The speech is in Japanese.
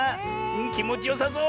きもちよさそう！